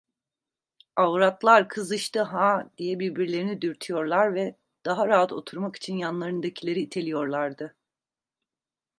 Avratlar kızıştı ha! diye birbirlerini dürtüyorlar ve daha rahat oturmak için yanlarındakileri iteliyorlardı.